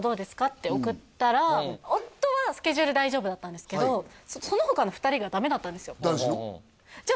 って送ったら夫はスケジュール大丈夫だったんですけどその他の２人がダメだったんですよ